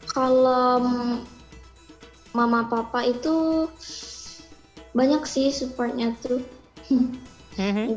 kalau mama papa itu banyak sih supportnya tuh